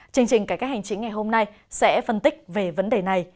chương trình cải các hành trình ngày hôm nay sẽ phân tích về vấn đề này